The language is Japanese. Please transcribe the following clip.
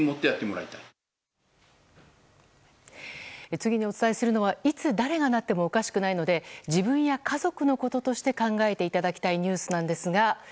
次にお伝えするのがいつ誰がなってもおかしくないので自分や家族のこととして考えていただきたいニュースなんですが。